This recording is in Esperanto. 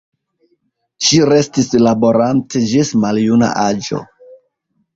Ŝi restis laborante ĝis maljuna aĝo.